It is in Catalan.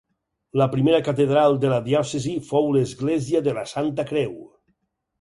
La primera catedral de la diòcesi fou l'Església de la Santa Creu.